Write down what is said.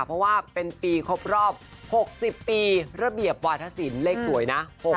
เพราะว่าเป็นปีครบรอบ๖๐ปีระเบียบวาธศิลปเลขสวยนะ